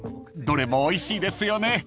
どれもおいしいですよね］